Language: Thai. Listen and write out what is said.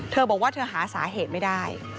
เธอบอกว่าเธอหาสาเหตุไม่ได้